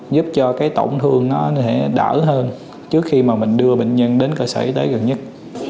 giúp cho cái tổn thương nó đỡ hơn trước khi mà mình đưa bệnh nhân đến cơ sở y tế gần nhất